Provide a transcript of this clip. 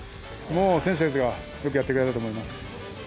選手たちがよくやってくれたと思います。